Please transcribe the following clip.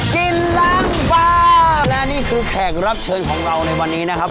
กินล้างฟ้าและนี่คือแขกรับเชิญของเราในวันนี้นะครับ